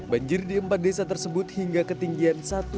banjir di empat desa tersebut hingga ketinggian satu meter